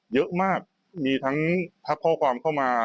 เยอะมากมีทั้งทักข้อความเข้ามา